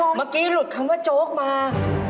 เมื่อกี้หลุดคำว่าโจ๊กมา